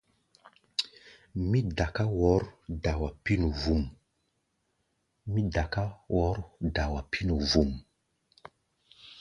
Mí daká wɔ̌r-dawa pí̧nu vbum.